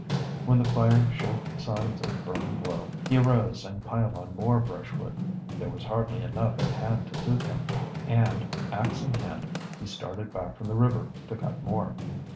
When the fire showed signs of burning low he arose and piled on more brushwood. There was hardly enough at hand to suit him, and, ax in hand, he started back from the river, to cut more.